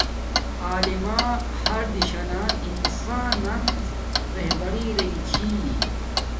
علما ہر دشانا انسان نڅ رہبری ارے گی چھِی